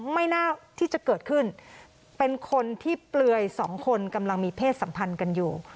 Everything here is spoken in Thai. ไม่น่าที่จะเกิดขึ้นเป็นคนที่เปลือยสองคนกำลังมีเพศสัมพันธ์กันอยู่